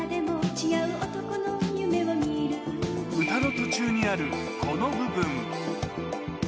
歌の途中にあるこの部分。